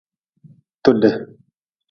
Tude.